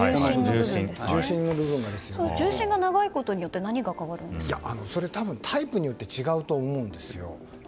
銃身が長いことによって多分、タイプによって違うと思うんですよ。